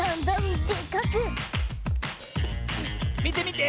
みてみて！